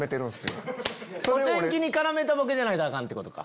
お天気に絡めたボケじゃないとアカンってことか。